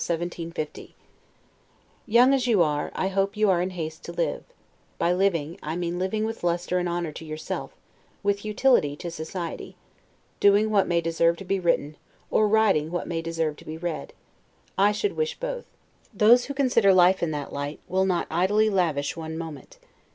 1750 Young as you are, I hope you are in haste to live; by living, I mean living with lustre and honor to yourself, with utility to society; doing what may deserve to be written, or writing what may deserve to be read; I should wish both. Those who consider life in that light, will not idly lavish one moment.